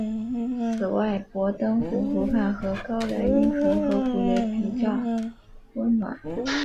此外博登湖湖畔和高莱茵河河谷也比较温暖。